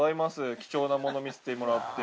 貴重なもの見せてもらって。